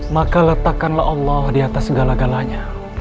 maka letakkanlah allah di atas segala galanya